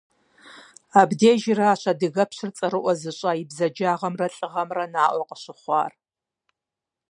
Абдежырщ адыгэпщыр цӏэрыӏуэ зыщӏа и бзаджагъэмрэ лӏыгъэмрэ наӏуэ къыщыхъуар.